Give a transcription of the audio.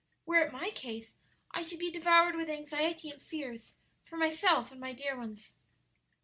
Were it my case, I should be devoured with anxiety and fears for myself and my dear ones."